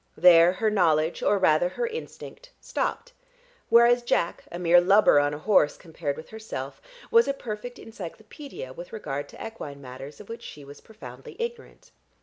There her knowledge (or rather her instinct) stopped, whereas Jack, a mere lubber on a horse compared with herself, was a perfect encyclopædia with regard to equine matters of which she was profoundly ignorant.